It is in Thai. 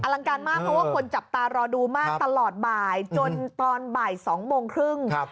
ลังการมากเพราะว่าคนจับตารอดูมากตลอดบ่ายจนตอนบ่าย๒โมงครึ่ง